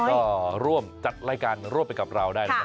ก็ร่วมจัดรายการร่วมไปกับเราได้นะครับ